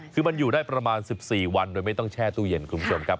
คือมันอยู่ได้ประมาณ๑๔วันโดยไม่ต้องแช่ตู้เย็นคุณผู้ชมครับ